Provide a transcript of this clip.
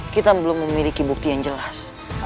kita belum memiliki bukti yang jelas